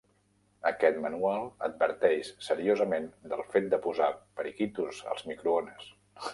Aquest manual adverteix seriosament del fet de posar periquitos al microones.